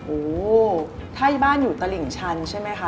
โอ้โหถ้าบ้านอยู่ตลิ่งชันใช่ไหมคะ